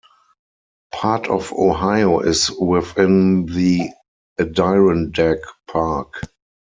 Part of Ohio is within the Adirondack Park.